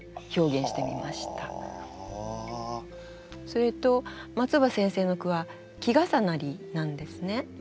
それと松尾葉先生の句は季重なりなんですね。